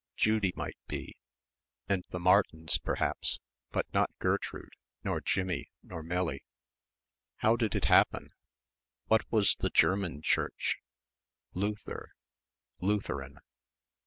Judy might be, and the Martins perhaps, but not Gertrude, nor Jimmie, nor Millie. How did it happen? What was the German Church? Luther Lutheran.